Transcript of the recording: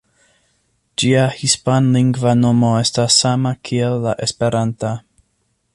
Ĝia hispanlingva nomo estas sama kiel la esperanta.